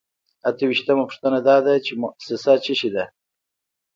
اته ویشتمه پوښتنه دا ده چې موسسه څه شی ده.